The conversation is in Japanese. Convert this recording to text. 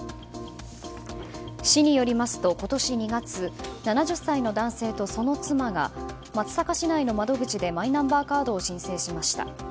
市によりますと今年２月７０歳の男性とその妻が松阪市内の窓口でマイナンバーカードを申請しました。